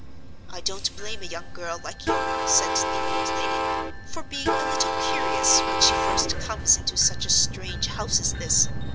"I don't blame a young girl like you," said the old lady, "for being a little curious when she first comes into such a strange house as this.